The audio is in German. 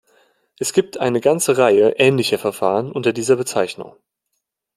Es gibt eine ganze Reihe ähnlicher Verfahren unter dieser Bezeichnung.